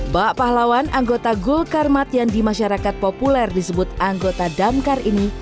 bak pahlawan anggota gul karmat yang di masyarakat populer disebut anggota damkar ini